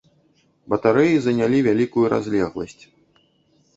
Батарэі занялі вялікую разлегласць.